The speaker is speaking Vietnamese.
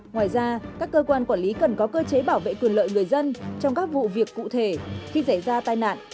ngoài ra các cơ quan quản lý cần có cơ chế bảo vệ quyền lợi người dân trong các vụ việc cụ thể khi xảy ra tai nạn